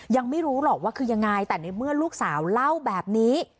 ยังไม่รู้หรอกว่าคือยังไงแต่ในเมื่อลูกสาวเล่าแบบนี้